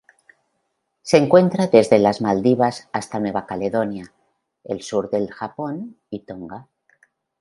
Se encuentra desde las Maldivas hasta Nueva Caledonia, el sur del Japón y Tonga.